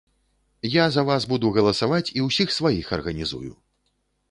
Я за вас буду галасаваць і ўсіх сваіх арганізую.